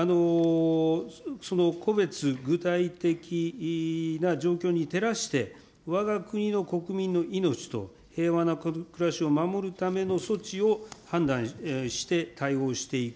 その個別具体的な状況に照らして、わが国の国民の命と平和な暮らしを守るための措置を判断して対応していく。